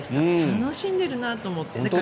楽しんでるなと思って。